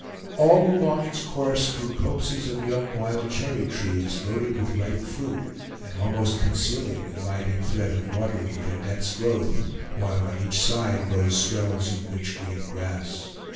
All along its course grew copses of young wild cherry trees, loaded with ripe fruit, and almost concealing the gliding thread of water with their dense growth, while on each side rose swells of rich green grass.